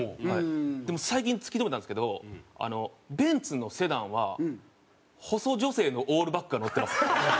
でも最近突き止めたんですけどベンツのセダンは細女性のオールバックが乗ってます。